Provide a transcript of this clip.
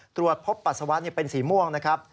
ตรวจพบปัสสาวะเป็นสีม่วงนะครับ